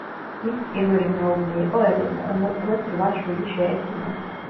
მისი პირველი მეუღლე იყო ელენა, რომელთანაც რვა შვილი შეეძინა.